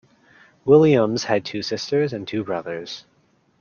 Williams had two sisters and two brothers.